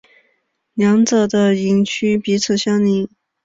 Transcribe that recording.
两者的营区彼此相邻。